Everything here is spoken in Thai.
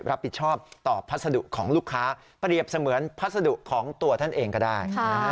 รับผิดชอบต่อพัสดุของลูกค้าเปรียบเสมือนพัสดุของตัวท่านเองก็ได้